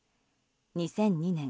２００２年